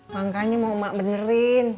makanya mau emak benerin